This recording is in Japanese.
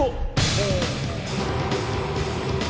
ほう！